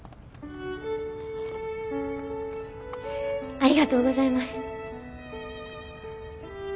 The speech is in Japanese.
ありがとうございます。